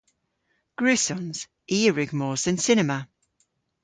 Gwrussons. I a wrug mos dhe'n cinema.